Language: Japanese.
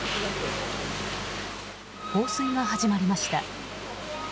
放水が始まりました。